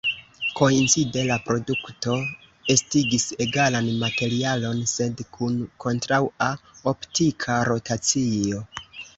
Koincide, la produkto estigis egalan materialon sed kun kontraŭa optika rotacio.